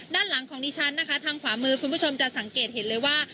ด้านหลังของดิฉันนะคะทางขวามือคุณผู้ชมจะสังเกตเห็นเลยว่า